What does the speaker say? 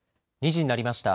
２時になりました。